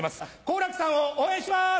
好楽さんを応援します